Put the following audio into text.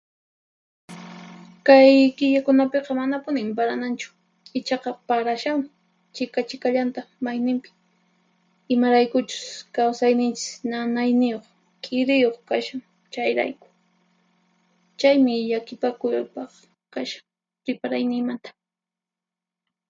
Kay killakunapiqa manapunin parananchu, ichaqa parashanmi chika-chikallanta mayninpi, imaraykuchus kawsayninchis nanayniyuq k'iriyuq kashan chayrayku. Chaymi llakipakuypaq kashan riparayniymanta.